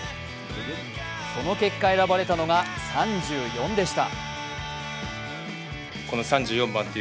その結果選ばれたのが３４でした。